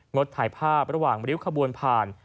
ดถ่ายภาพระหว่างริ้วขบวนผ่าน